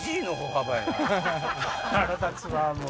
腹立つわもう！